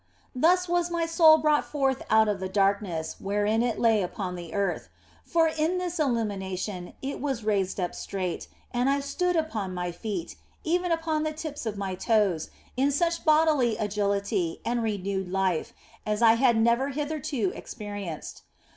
Thus was my soul brought forth out of the darkness wherein it lay upon the earth ; for in 176 THE BLESSED ANGELA this illumination it was raised up straight and I stood upon my feet, even upon the tips of my toes, in such bodily agility and renewed life as I had never hitherto experienced.